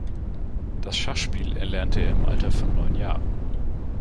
Das Schachspiel erlernte er im Alter von neun Jahren.